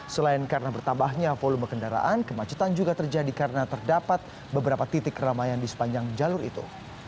selain karena bertambahnya volume kendaraan kemacetan juga terjadi karena terdapat beberapa titik keramaian di sepanjang jalur itu